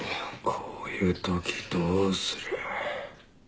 こういう時どうする？